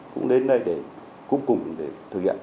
cũng đến đây để cùng cùng để thực hiện